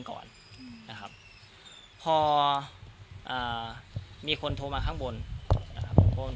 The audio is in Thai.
ก่อนอืมนะครับพออ่ามีคนโทรมาข้างบนนะครับข้างบน